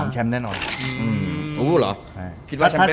๓แชมป์แน่นอน